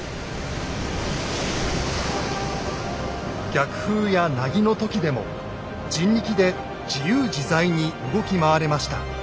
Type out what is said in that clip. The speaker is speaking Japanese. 逆風やなぎの時でも人力で自由自在に動き回れました。